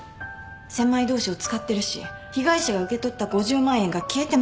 千枚通しを使ってるし被害者が受け取った５０万円が消えてます。